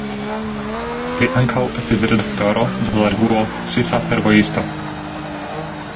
Li ankaŭ estis redaktoro de la revuo Svisa Fervojisto.